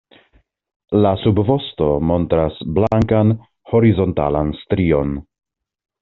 La subvosto montras blankan horizontalan strion.